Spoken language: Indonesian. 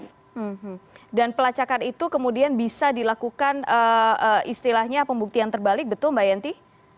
hmm dan pelacakan itu kemudian bisa dilakukan istilahnya pembuktian terbalik betul mbak yenti